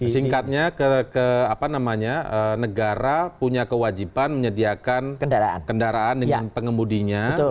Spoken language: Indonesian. singkatnya ke apa namanya negara punya kewajiban menyediakan kendaraan dengan pengemudinya